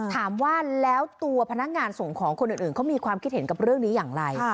ถามว่าแล้วตัวพนักงานส่งของคนอื่นเขามีความคิดเห็นกับเรื่องนี้อย่างไร